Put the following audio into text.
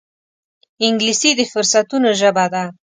انګلیسي د فرصتونو ژبه ده